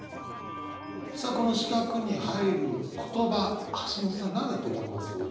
さあこの四角に入る言葉橋本さん何だと思います？